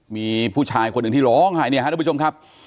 มีผู้ชายคนหนึ่งที่ร้องหายเนี่ยนะครับดูชมครับ